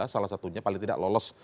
salah satunya paling tidak lolos